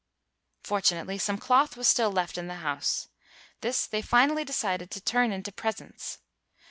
Fortunately some cloth was still left in the house. This they finally decided to turn into presents.